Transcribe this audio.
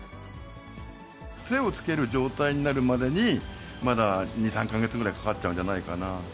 手を付ける状態になるまでに、まだ２、３か月ぐらいかかっちゃうんじゃないかな。